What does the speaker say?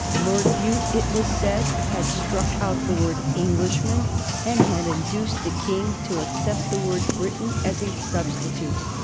Lord Bute, it was said, had struck out the word "Englishman," and had induced the King to accept the word "Briton" as a substitute.